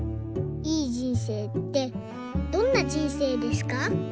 いい人生ってどんな人生ですか？」。